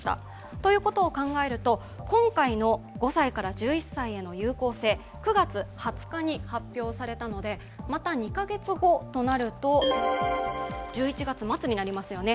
ということを考えると、今回の５歳から１１歳への有効性、９月２０日に発表されたのでまた２カ月後となると、１１月末になりますよね。